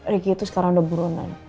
rikki itu sekarang udah burunan